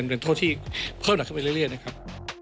เป็นโทษที่เพิ่มหนักเข้าไปเรื่อยนะครับ